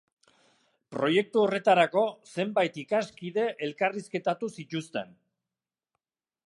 Proiektu horretarako zenbait ikaskide elkarrizketatu zituzten.